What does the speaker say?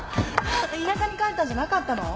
田舎に帰ったんじゃなかったの？